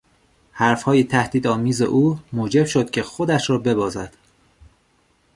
حرفهای تهدید آمیز او موجب شد که خودش را ببازد.